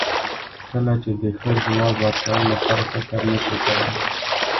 کله چې د ښه ځواب ورکولو لپاره فکر نشې کولای.